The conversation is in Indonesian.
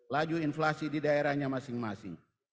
laju inflasi di daerahnya masing masing